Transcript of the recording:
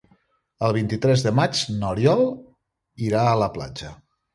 El vint-i-tres de maig n'Oriol irà a la platja.